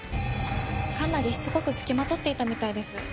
かなりしつこく付きまとっていたみたいです。